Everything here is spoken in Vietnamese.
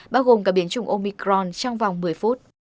bao gồm cả biến chủng omicron trong vòng một mươi phút